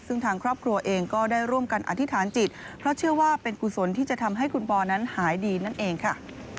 ซึ่งทางครอบครัวเองก็ได้ร่วมกันอธิษฐานจิตเพราะเชื่อว่าเป็นกุศลที่จะทำให้คุณปอนั้นหายดีนั่นเองค่ะ